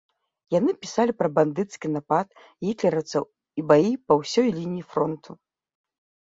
Яны пісалі пра бандыцкі напад гітлераўцаў і баі па ўсёй лініі фронту.